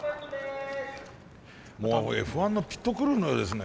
もうＦ１のピットクルーのようですね。